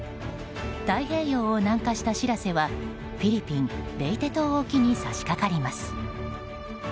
太平洋を南下した「しらせ」はフィリピン・レイテ島沖に差し掛かります。